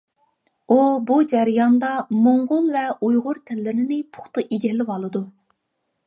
ئۇ بۇ جەرياندا موڭغۇل ۋە ئۇيغۇر تىللىرىنى پۇختا ئىگىلىۋالىدۇ.